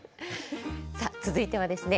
さあ続いてはですね